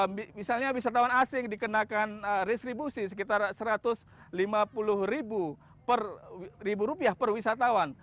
misalnya wisatawan asing dikenakan restribusi sekitar rp satu ratus lima puluh ribu per wisatawan